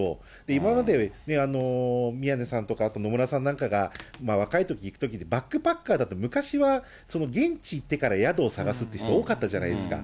今まで、宮根さんとか、あと野村さんなんかが、若いとき、行くときにバックパッカーだと、昔は現地行ってから宿を探すって人多かったじゃないですか。